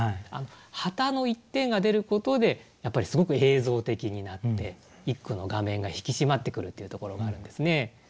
旗の一点が出ることでやっぱりすごく映像的になって一句の画面が引き締まってくるというところがあるんですね。